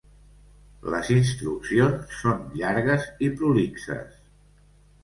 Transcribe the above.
Les instruccions són llargues i prolixes.